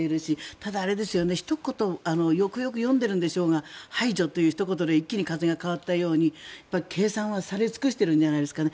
ただ、ひと言、よくよく読んでいるんでしょうが排除というひと言で一気に風が変わったように計算はされ尽くしているんじゃないですかね。